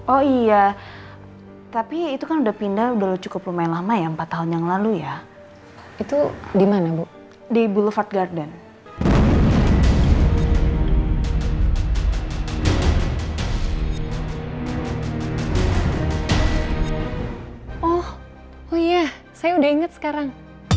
oh iya saya sudah ingat sekarang